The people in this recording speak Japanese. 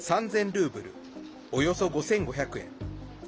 ルーブルおよそ５５００円。